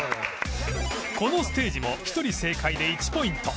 このステージも１人正解で１ポイント